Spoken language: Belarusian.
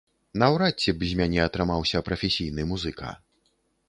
Наўрад ці б з мяне атрымаўся прафесійны музыка.